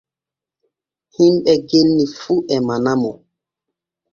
Himɓe genni fu e manamo.